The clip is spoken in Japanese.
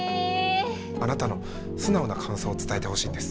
あなたの素直な感想を伝えてほしいんです。